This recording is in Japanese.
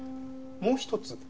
もう一つ？